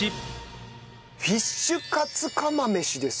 フィッシュカツ釜飯です。